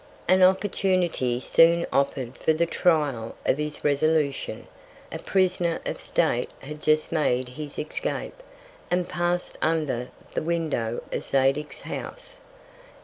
An Opportunity soon offer'd for the Trial of his Resolution. A Prisoner of State had just made his Escape, and pass'd under the Window of Zadig's House.